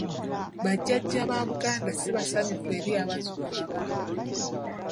Bajjajja ba Buganda si basanyufu eri abazzukulu abamu.